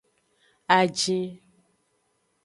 Ajin.